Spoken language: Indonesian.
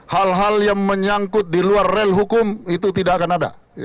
hal hal yang menyangkut di luar rel hukum itu tidak akan ada